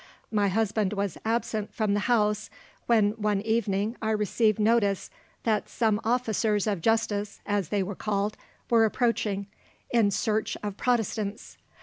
My husband was absent from the house, when one evening I received notice that some officers of justice, as they were called, were approaching, in search of Protestants.